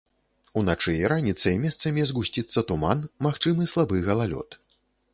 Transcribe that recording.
Уначы і раніцай месцамі згусціцца туман, магчымы слабы галалёд.